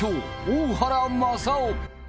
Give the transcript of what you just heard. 大原正雄